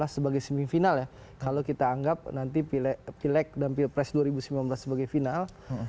sebagai semifinal ya kalau kita anggap nanti pileg dan pilpres dua ribu sembilan belas sebagai final